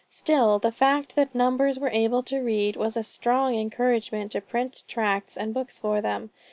Still the fact that numbers were able to read, was a strong encouragement to print tracts and books for them.